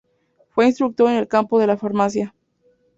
Fue instructor en el campo de la farmacia.